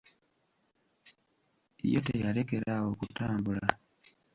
Yo teyalekera awo kutambula.